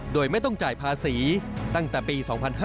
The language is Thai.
โดยไม่ต้องจ่ายภาษีตั้งแต่ปี๒๕๕๙